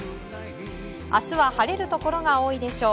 明日は晴れるところが多いでしょう。